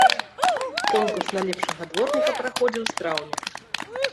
Конкурс на лепшага дворніка праходзіў з траўня.